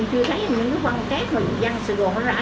hư đồi cát hồi đó đẹp lắm